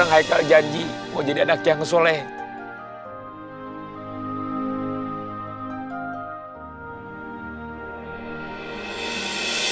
ooo'da karang hal janji espero class taken care of